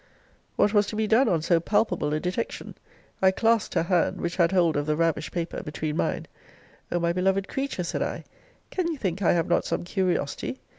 What was to be done on so palpable a detection? I clasped her hand, which had hold of the ravished paper, between mine: O my beloved creature! said I, can you think I have not some curiosity?